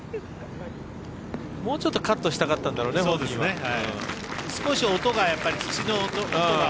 もうちょっとカットしたかったんだろうね本人は。